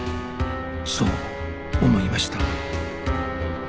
そう思いました